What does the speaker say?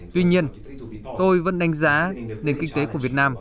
tuy nhiên tôi vẫn đánh giá nền kinh tế của việt nam